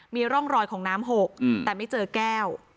มีร่องรอยของน้ำหกแต่ไม่เจอแก้ว